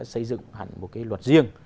xây dựng một cái luật riêng